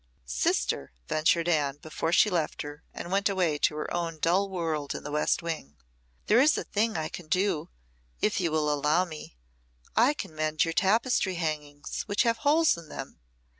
"Sister," ventured Anne before she left her and went away to her own dull world in the west wing, "there is a thing I can do if you will allow me. I can mend your tapestry hangings which have holes in them.